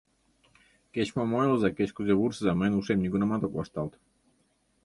Кеч-мом ойлыза, кеч-кузе вурсыза — мыйын ушем нигунамат ок вашталт...